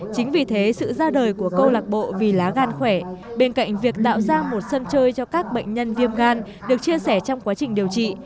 chính vì thế sự ra đời của câu lạc bộ vì lá gan khỏe bên cạnh việc tạo ra một sân chơi cho các bệnh nhân viêm gan được chia sẻ trong quá trình điều trị